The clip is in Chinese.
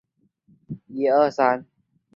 他对数学物理和基本理论物理学做出了贡献。